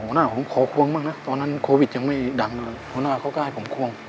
หัวหน้าผมขอควงบ้างนะตอนนั้นโควิดยังไม่ดังเลยหัวหน้าเขาก็ให้ผมควง